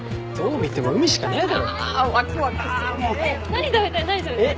何食べたい？